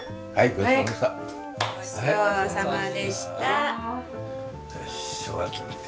ごちそうさまでした。